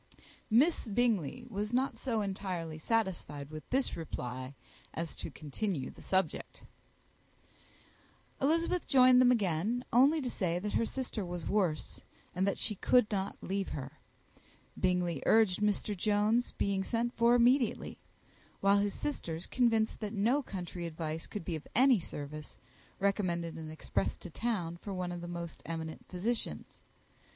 Miss Bingley was not so entirely satisfied with this reply as to continue the subject. Elizabeth joined them again only to say that her sister was worse, and that she could not leave her. Bingley urged Mr. Jones's being sent for immediately; while his sisters, convinced that no country advice could be of any service, recommended an express to town for one of the most eminent physicians.